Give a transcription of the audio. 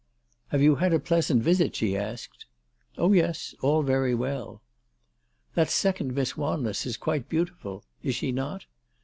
" Have you had a pleasant visit ?'' she asked. " Oh, yes ; all very well." " That second Miss Wanless is quite beautiful ; is she not